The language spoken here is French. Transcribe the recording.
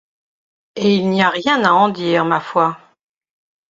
Et il n’y a rien à en dire, ma foi!